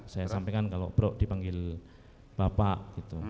saya sampaikan kalau bro dipanggil bapak gitu